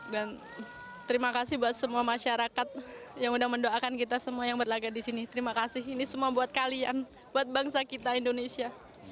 dan terima kasih buat semua masyarakat yang udah mendoakan kita semua yang berlagak di sini terima kasih ini semua buat kalian buat bangsa kita indonesia